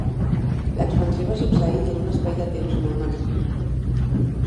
L'expansió va succeir en un espai de temps molt menor.